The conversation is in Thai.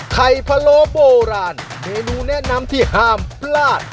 พะโลโบราณเมนูแนะนำที่ห้ามพลาด